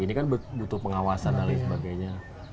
ini kan butuh pengawasan dan lain sebagainya